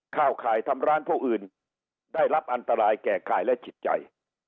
ข่ายทำร้ายผู้อื่นได้รับอันตรายแก่กายและจิตใจ